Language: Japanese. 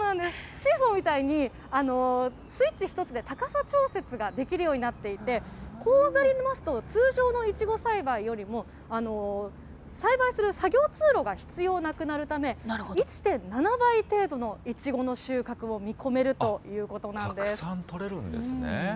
シーソーみたいにスイッチ一つで高さ調節ができるようになっていて、こうなりますと、通常のいちご栽培よりも栽培する作業通路が必要なくなるため、１．７倍程度のいちごの収穫を見込めるということなんです。